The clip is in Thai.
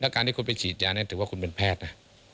การที่คุณไปฉีดยาเนี่ยถือว่าคุณเป็นแพทย์นะ